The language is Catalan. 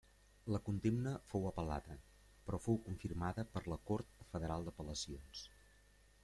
La condemna fou apel·lada, però fou confirmada per la Cort Federal d'Apel·lacions.